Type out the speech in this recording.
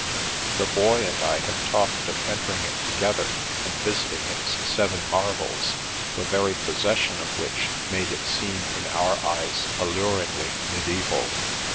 The Boy and I had talked of entering it together and visiting its Seven Marvels, the very possession of which made it seem in our eyes alluringly mediaeval.